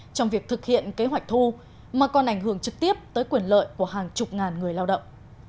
trong việc thực hiện kế hoạch thu mà còn ảnh hưởng trực tiếp tới quyền lợi của hàng chục ngàn người lao động